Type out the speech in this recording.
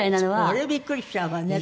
それはビックリしちゃうわね。